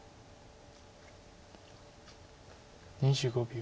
２５秒。